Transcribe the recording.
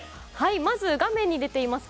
画面に出ています